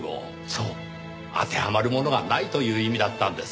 そう当てはまるものがないという意味だったんです。